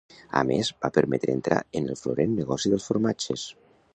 A més, va permetre entrar en el florent negoci dels formatges.